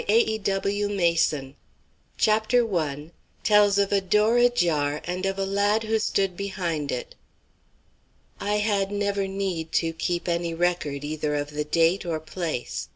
THE WATCHERS CHAPTER I TELLS OF A DOOR AJAR AND OF A LAD WHO STOOD BEHIND IT I had never need to keep any record either of the date or place.